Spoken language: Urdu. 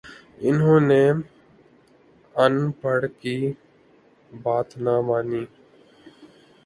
انہوں نے اَن پڑھ کی بات نہ مانی